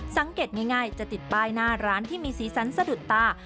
สังเกตง่ายจะติดป้ายหน้าร้านที่มีสีสันสะดุดตา